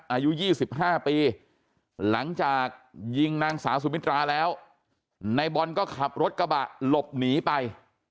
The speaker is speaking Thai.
อายุ๒๕ปีหลังจากยิงนางสาวสุมิตราแล้วนายบอลก็ขับรถกระบะหลบหนีไป